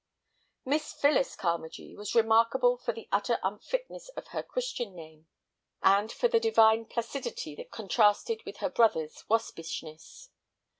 Miss Phyllis Carmagee was remarkable for the utter unfitness of her Christian name, and for the divine placidity that contrasted with her brother's waspishness.